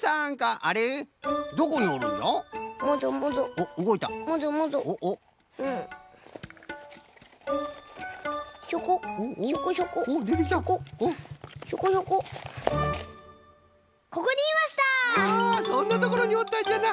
あそんなところにおったんじゃな。